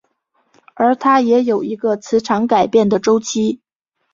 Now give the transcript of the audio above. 而它也有一个磁场改变的周期。